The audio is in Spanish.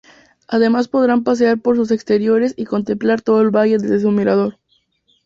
Además podrán pasear por sus exteriores y contemplar todo el valle desde su mirador.